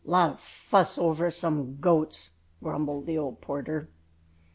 "A lot of fuss over some goats," grumbled the old porter.